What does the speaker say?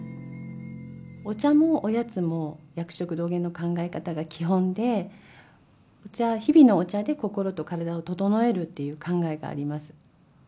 お茶もおやつも薬食同源の考え方が基本で日々のお茶で心と体をととのえるっていう考えがあります。